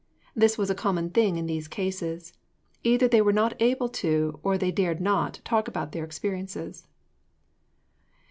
This was a common thing in these cases. Either they were not able to, or they dared not, talk about their experiences.